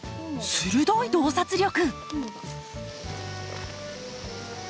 鋭い洞察力！